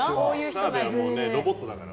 澤部はロボットだから。